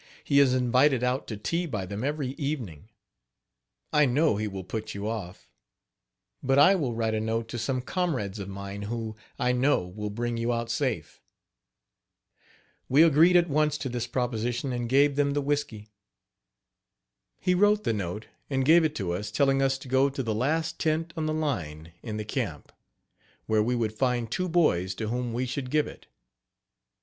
He is invited out to tea by them every evening. I know he will put you off. But I will write a note to some comrades of mine who, I know, will bring you out safe." We agreed at once to this proposition, and gave them the whisky. He wrote the note, and gave it to us, telling us to go to the last tent on the line in the camp, where we would find two boys to whom we should give it.